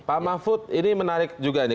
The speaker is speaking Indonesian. pak mahfud ini menarik juga nih